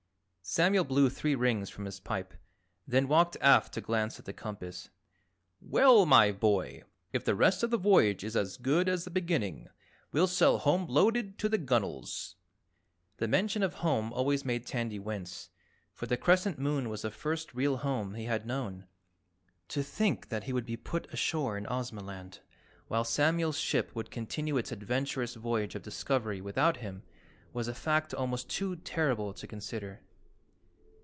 Samuel blew three rings from his pipe, then walked aft to glance at the compass. "Well, my boy, if the rest of the voyage is as good as the beginning, we'll sail home loaded to the gun'ls." The mention of home always made Tandy wince, for the Crescent Moon was the first real home he had known. To think that he would be put ashore in Ozamaland while Samuel's ship would continue its adventurous voyage of discovery without him, was a fact almost too terrible to consider.